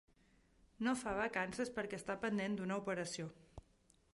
No fa vacances perquè està pendent d'una operació.